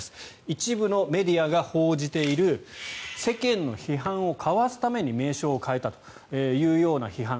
一部のメディアが報じている世間の批判をかわすために名称を変えたというような批判